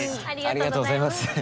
ありがとうございます。